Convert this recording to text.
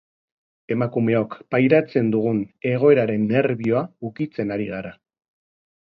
Emakumeok pairatzen dugun egoeraren nerbioa ukitzen ari gara.